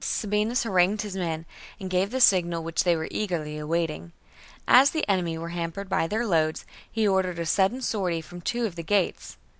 Sabinus harangued his men, and gave the signal which they were eagerly awaiting. As the enemy were hampered by their loads, he ordered a sudden sortie from two of the gates.